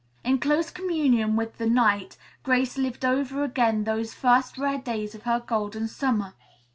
In close communion with the night, Grace lived over again those first rare days of her Golden Summer.